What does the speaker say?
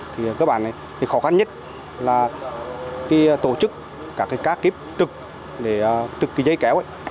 thì cơ bản khó khăn nhất là tổ chức các cá kiếp trực trực dây kéo